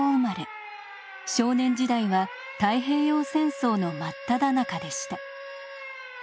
少年時代は太平洋戦争の真っただ中でした。